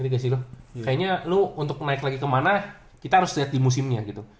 kayaknya lu untuk naik lagi kemana kita harus lihat di musimnya gitu